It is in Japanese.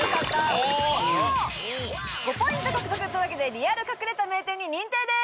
５ポイント獲得というわけでリアル隠れた名店に認定です！